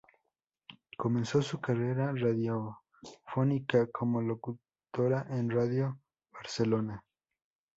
Comenzó su carrera radiofónica como locutora en Radio Barcelona.